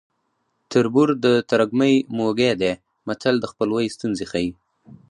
تربور د ترږمې موږی دی متل د خپلوۍ ستونزې ښيي